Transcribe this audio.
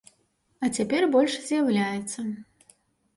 А цяпер больш з'яўляецца.